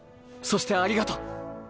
そしてありがとう。